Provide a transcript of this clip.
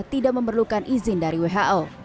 tidak memerlukan izin dari who